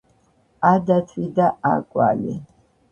ა, დათვი და ა, კვალი!